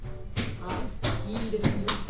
はいいいですよ。